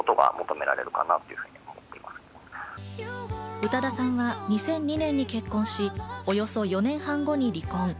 宇多田さんは２００２年に結婚し、およそ４年半後に離婚。